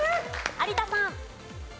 有田さん。